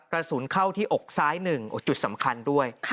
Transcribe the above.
กระสุนเข้าที่อกซ้าย๑จุดสำคัญด้วย